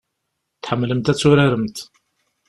Tḥemmlemt ad turaremt.